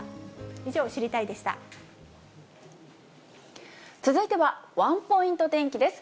以上、続いてはワンポイント天気です。